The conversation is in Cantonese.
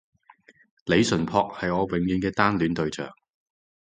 李純揆係我永遠嘅單戀對象